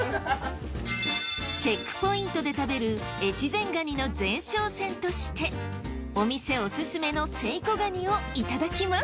チェックポイントで食べる越前がにの前哨戦としてお店おすすめのセイコガニをいただきます。